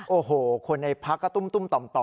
โอ้โหคนในพักษณ์ก็ตุ้มตุ้มต่อมต่อม